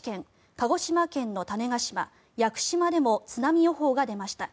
鹿児島県の種子島、屋久島でも津波予報が出ました。